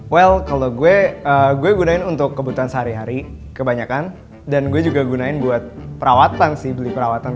well kalau gue gue gunain untuk kebutuhan sehari hari kebanyakan dan gue juga gunain buat perawatan sih beli perawatan